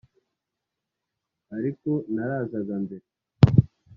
ariko narazaga mbere